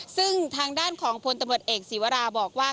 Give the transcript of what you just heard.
ซึ่งทางด้านของพลตำรวจเอกศีวราบอกว่า